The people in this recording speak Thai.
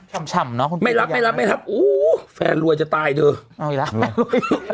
ฉ่ำเนอะคุณปูปัญญาไม่รับไม่รับฟันรวยจะตายเธอเอาอีกแล้ว